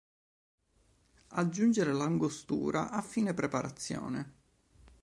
Aggiungere l'Angostura a fine preparazione.